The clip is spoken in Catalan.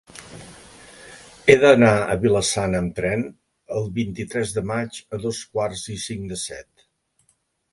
He d'anar a Vila-sana amb tren el vint-i-tres de maig a dos quarts i cinc de set.